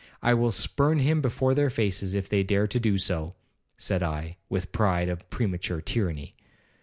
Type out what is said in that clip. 'I will spurn him before their faces, if they dare to do so,' said I, with the pride of premature tyranny.